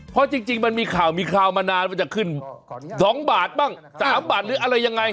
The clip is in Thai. เพราะจริงมันมีข่าวมีข่าวมานานว่าจะขึ้น๒บาทบ้าง๓บาทหรืออะไรยังไง